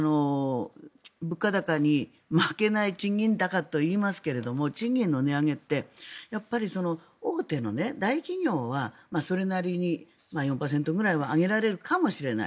物価高に負けない賃金高といいますが賃金の値上げってやっぱり大手の、大企業はそれなりに４％ぐらいは上げられるかもしれない。